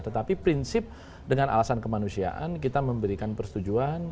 tetapi prinsip dengan alasan kemanusiaan kita memberikan persetujuan